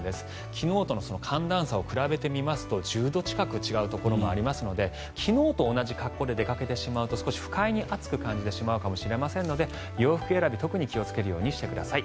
昨日との寒暖差を比べてみますと１０度近く違うところもありますので昨日と同じ格好で出かけてしまうと少し不快に暑く感じてしまうかもしれませんので洋服選び、特に気をつけるようにしてください。